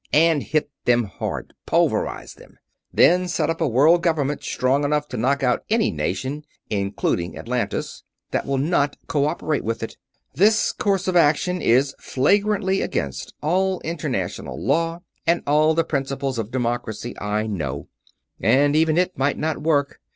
And hit them hard pulverize them. Then set up a world government strong enough to knock out any nation including Atlantis that will not cooperate with it. This course of action is flagrantly against all international law and all the principles of democracy, I know; and even it might not work.